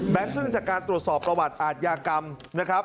ซึ่งจากการตรวจสอบประวัติอาทยากรรมนะครับ